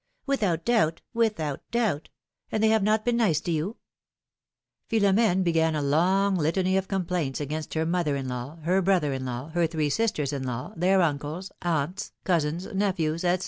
"Without doubt, without doubt! And they have not been nice to you ?" Philomene began a long litany of complaints against her mother in law, her brother in law, her three sisters in law, their uncles, aunts, cousins, nephews, etc.